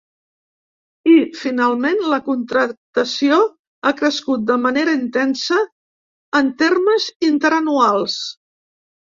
I, finalment, la contractació ha crescut de manera intensa en termes interanuals.